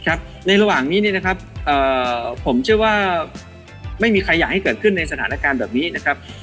ในระหว่างนี้ผมเชื่อว่าไม่มีใครอยากให้เกิดขึ้นในสถานการณ์แบบนี้นะครับ